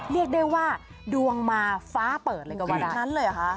เรียกได้ว่าดวงมาฟ้าเปิดเลยกับวันทั้งนั้นเลยค่ะ